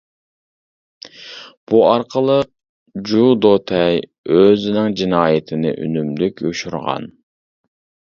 بۇ ئارقىلىق جۇ دوتەي ئۆزىنىڭ جىنايىتىنى ئۈنۈملۈك يوشۇرغان.